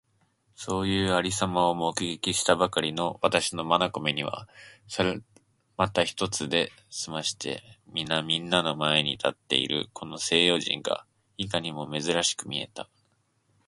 そういう有様を目撃したばかりの私の眼めには、猿股一つで済まして皆みんなの前に立っているこの西洋人がいかにも珍しく見えた。